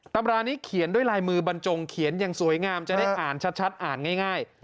ตำรานี้เขียนด้วยลายมือบรรจงเขียนอย่างสวยงามจะได้อ่านชัดอ่านง่าย